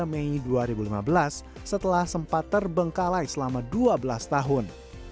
dua puluh mei dua ribu lima belas setelah sempat terbengkalai selama dua belas tahun